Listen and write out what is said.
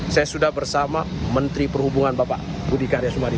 saya sudah bersama menteri perhubungan bapak budi karya sumadi